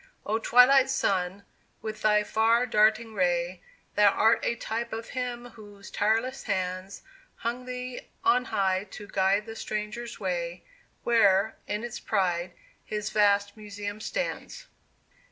O twilight Sun, with thy far darting ray, Thou art a type of him whose tireless hands Hung thee on high to guide the stranger's way, Where, in its pride, his vast Museum stands.